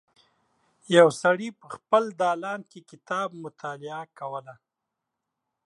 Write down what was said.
یو سړی په خپل دالان کې کتاب مطالعه کوله.